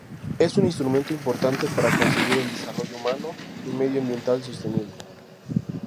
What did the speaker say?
Es un instrumento importante para conseguir el desarrollo humano y medio ambiental sostenible.